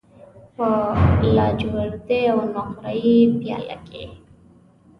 په لاجوردی او نقره یې پیاله کې